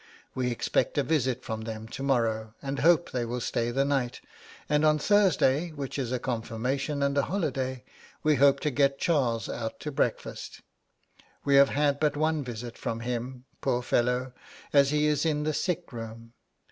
We expect a visit from them to morrow, and hope they will stay the night; and on Thursday, which is a confirmation and a holiday, we hope to get Charles out to breakfast. We have had but one visit from him, poor fellow, as he is in the sick room....